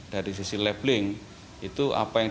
dari sisi labeling itu apa yang